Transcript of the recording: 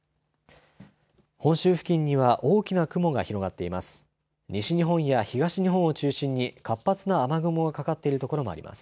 本州付近には大きな雲が広がっています。